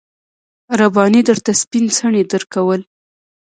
رباني درته سپين څڼې درکول.